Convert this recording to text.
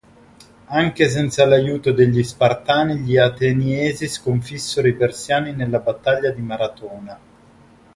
Anche senza l'aiuto degli Spartani gli Ateniesi sconfissero i Persiani nella battaglia di Maratona.